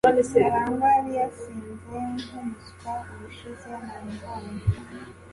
karangwa yari yasinze nkumuswa ubushize namubonye